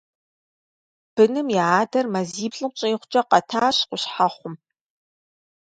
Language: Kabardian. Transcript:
Быным я адэр мазиплӀым щӀигъукӀэ къэтащ Къущхьэхъум.